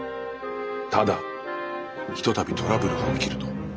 ただ一たびトラブルが起きると。